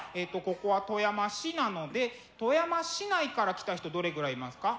ここは富山市なので富山市内から来た人どれぐらいいますか？